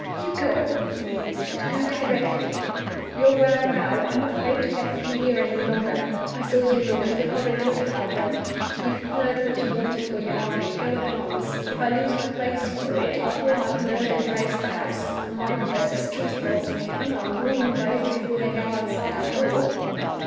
"You go," he whispered, "go directly! You're well now I'm afraid to have you here any longer. I saw your look, your horrid look at that room! You've heard what you wanted for your money go at once; or, if I lose my place for it, I'll call out Murder, and raise the house. And mind this: as true as God's in heaven, I'll warn them both before they go outside our door!"